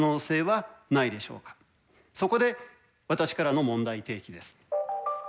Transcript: そこで私からの問題提起です。